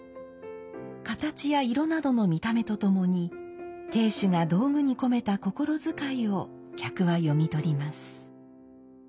形や色などの見た目とともに亭主が道具に込めた心遣いを客は読み取ります。